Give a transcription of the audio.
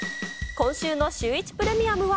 今週のシュー１プレミアムは。